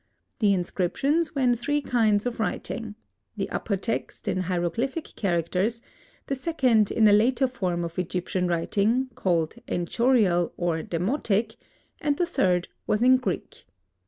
The inscriptions were in three kinds of writing; the upper text in hieroglyphic characters, the second in a later form of Egyptian writing, called enchorial or demotic, and the third was in Greek.